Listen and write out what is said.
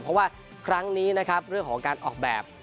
เพราะว่าครั้งนี้นะครับเรื่องของการออกแบบ